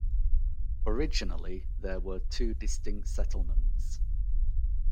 Originally, there were two distinct settlements.